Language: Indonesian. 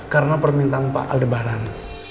karena permintaan pak aldebaran